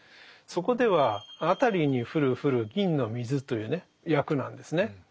そこでは「あたりに降る降る銀の水」というね訳なんですね。